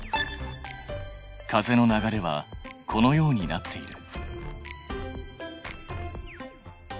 風の流れはこのようになっている。